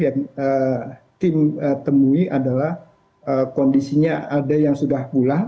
yang tim temui adalah kondisinya ada yang sudah pulang